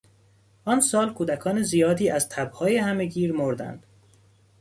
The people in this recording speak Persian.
آن سال کودکان زیادی از تب های همه گیر مردند.